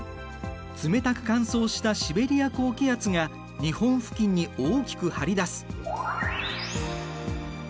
冷たく乾燥したシベリア高気圧が日本付近に大きく張り出す。